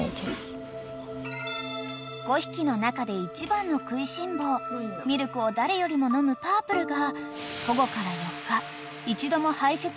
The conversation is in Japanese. ［５匹の中で一番の食いしん坊ミルクを誰よりも飲むパープルが］